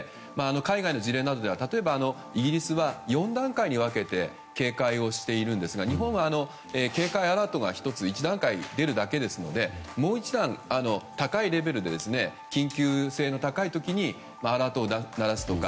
海外の事例では、イギリスは４段階に分けて警戒をしているんですが日本は警戒アラートが１段階出るだけですのでもう一段高いレベルで緊急性の高い時にアラートを鳴らすとか